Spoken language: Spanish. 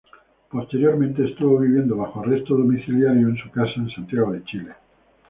Posteriormente estuvo viviendo bajo arresto domiciliario en su casa en Santiago de Chile.